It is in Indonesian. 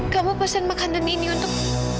kamu pesen makanan ini untuk